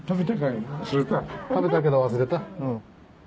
食べたけど忘れた？